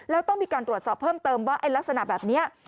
แล้วต้องมีการตรวจสอบเพิ่มเติมว่าไอ้ลักษณะแบบนี้